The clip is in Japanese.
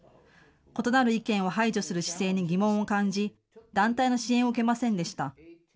異なる意見を排除する姿勢に疑問を感じ、団体の支援を受けませんでした。